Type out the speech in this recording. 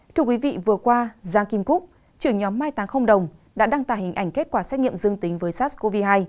thưa quý vị vừa qua giang kim cúc trưởng nhóm mai tán không đồng đã đăng tả hình ảnh kết quả xét nghiệm dương tính với sars cov hai